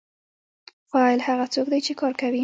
فاعل هغه څوک دی چې کار کوي.